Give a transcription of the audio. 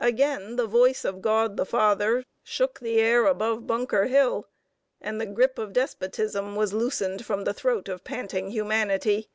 Again the voice of God, the Father, shook the air above Bunker Hill, and the grip of despotism was loosened from the throat of panting humanity.